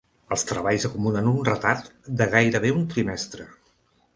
Els treballs acumulen un retard de gairebé un trimestre.